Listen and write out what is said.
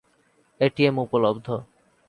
ATM উপলব্ধ